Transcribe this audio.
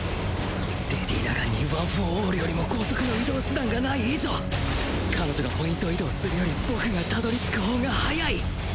レディ・ナガンにワン・フォー・オールよりも高速の移動手段がない以上彼女がポイント移動するより僕が辿り着く方が速い！